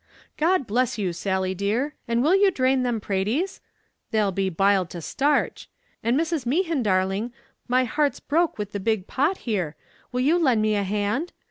"God bless you, Sally dear, and will you drain them pratees? they'll be biled to starch. And Mrs. Mehan, darling, my heart's broke with the big pot here, will you lend me a hand?